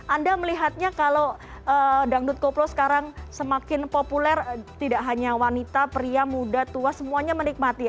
anda melihatnya kalau dangdut koplo sekarang semakin populer tidak hanya wanita pria muda tua semuanya menikmati ya